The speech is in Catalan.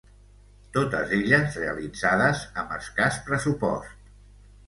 Totes elles realitzades amb escàs pressupost.